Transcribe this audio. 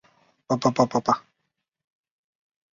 长孙无忌和褚遂良秘密将太子和皇帝的灵柩运送回京。